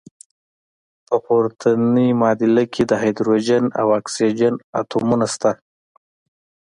په پورتني معادله کې د هایدروجن او اکسیجن اتومونه شته.